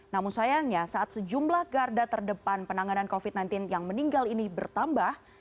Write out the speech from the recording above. namun sayangnya saat sejumlah garda terdepan penanganan covid sembilan belas yang meninggal ini bertambah